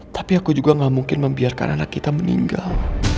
tapi aku juga gak mungkin membiarkan anak kita meninggal